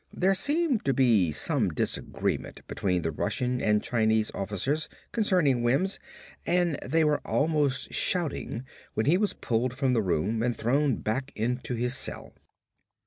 There seemed to be some disagreement between the Russian and Chinese officers concerning Wims and they were almost shouting when he was pulled from the room and thrown back into his cell.